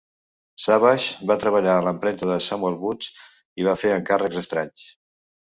Savage va treballar a la impremta de Samuel Booth i va fer encàrrecs estranys.